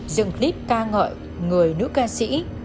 dựng clip ca ngợi người nữ ca sĩ